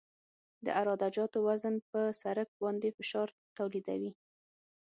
د عراده جاتو وزن په سرک باندې فشار تولیدوي